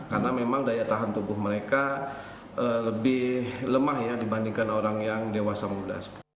karena memang daya tahan tubuh mereka lebih lemah dibandingkan orang yang dewasa muda